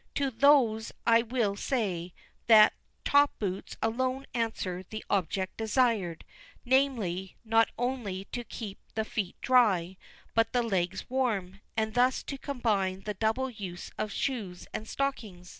To those I will say, that top boots alone answer the object desired namely, not only to keep the feet dry, but the legs warm, and thus to combine the double use of shoes and stockings.